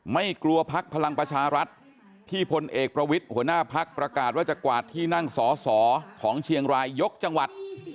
ไม่กลัวพักพลังประชารัฐที่พลเอกประวิทย์หัวหน้าพักประกาศว่าจะกวาดที่นั่งสอสอของเชียงรายยกจังหวัด